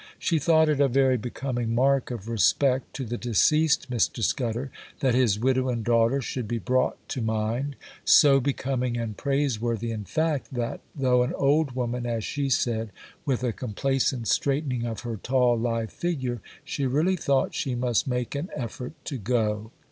She thought it a very becoming mark of respect to the deceased Mr. Scudder that his widow and daughter should be brought to mind,—so becoming and praiseworthy, in fact, that, 'though an old woman,' as she said, with a complacent straightening of her tall, lithe figure, she really thought she must make an effort to go.